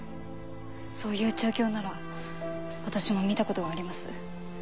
そういう調教なら私も見たことがあります。